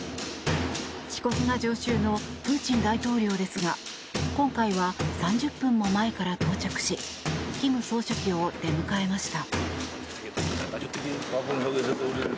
遅刻が常習のプーチン大統領ですが今回は３０分も前から到着し金総書記を出迎えました。